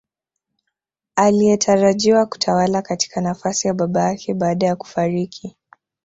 Aliyetarajiwa kutawala katika nafasi ya baba yake baada ya kufariki